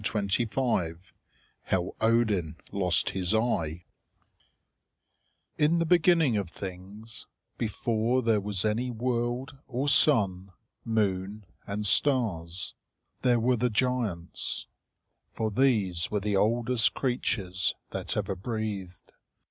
CHAPTER XII HOW ODIN LOST HIS EYE In the beginning of things, before there was any world or sun, moon, and stars, there were the giants; for these were the oldest creatures that ever breathed.